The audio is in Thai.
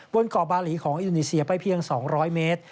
บนเกาะบาหลีของอินโดนีเซียไปเพียง๒๐๐เมตร